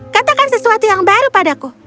katakan sesuatu yang baru padaku